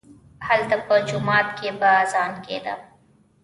هلته په جومات کښې به اذان کېده.